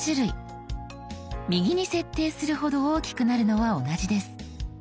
右に設定するほど大きくなるのは同じです。